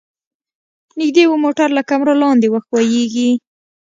نږدې و موټر له کمره لاندې وښویيږي.